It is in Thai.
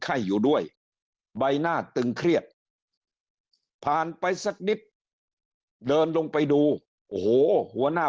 ไข้อยู่ด้วยใบหน้าตึงเครียดผ่านไปสักนิดเดินลงไปดูโอ้โหหัวหน้า